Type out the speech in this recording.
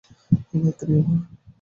ধাত্রী আমার!